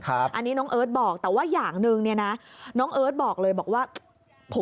อันนี้น้องเอิร์ทบอกแต่ว่าอย่างหนึ่งเนี่ยนะน้องเอิร์ทบอกเลยบอกว่า